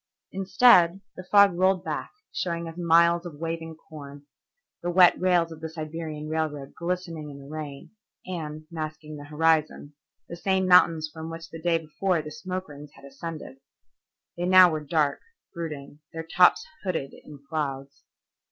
Instead, the fog rolled back showing us miles of waving corn, the wet rails of the Siberian Railroad glistening in the rain, and, masking the horizon, the same mountains from which the day before the smoke rings had ascended. They now were dark, brooding, their tops hooded in clouds.